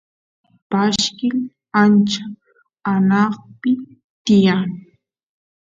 pashkil ancha anaqpi tiyan